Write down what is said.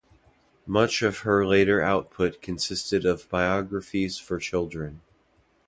Much of her later output consisted of biographies for children.